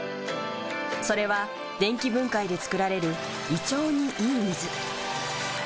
それは電気分解で作られる胃腸にいい水。